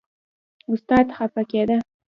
استاد خپه کېده.